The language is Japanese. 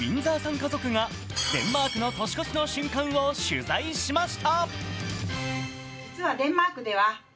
家族がデンマークの年越しの瞬間を取材しました。